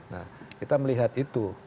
nah kita melihat itu